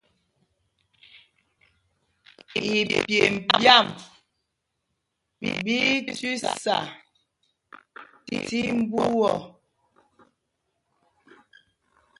Ipyêmb ɓyā ɓí í tüsa tí mbú ɔ.